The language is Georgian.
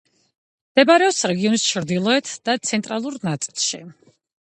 მდებარეობს რეგიონის ჩრდილოეთ და ცენტრალურ ნაწილში.